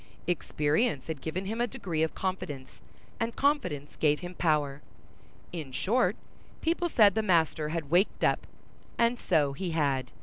Experience had given him a degree of confidence, and confidence gave him power. In short, people said the master had waked up; and so he had.